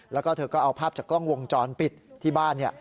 แล้วก็เธอก็เอาภาพจากกล้องวงจรปิดที่บ้าน